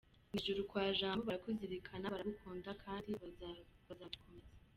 Mw’ijuru kwa Jambo barakuzirikana, baragukunda kandi bazabikomeza.